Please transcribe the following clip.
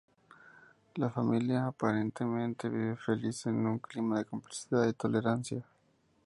La familia aparentemente vive feliz en un clima de complicidad y tolerancia.